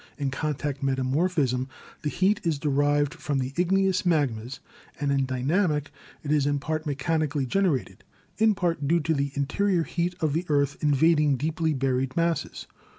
In contact metamorphism the heat is derived from the igneous magmas, and in dynamic it is in part mechanically generated, in part due to the interior heat of the earth invading deeply buried masses.